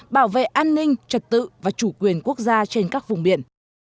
bảo vệ an ninh trật tự và chủ quyền quốc gia trên các vùng biển